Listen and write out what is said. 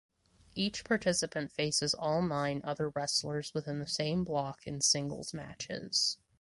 Each participant faces all nine other wrestlers within the same block in singles matches.